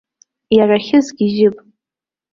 Иарахьы сгьежьып.